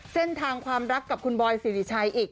เส้นทางความรักกับคุณบอยสิริชัยอีก